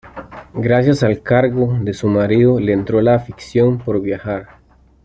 Gracias al cargo de su marido le entró la afición por viajar.